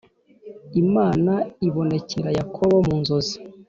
Imana ibonekera Yakobo mu nzozi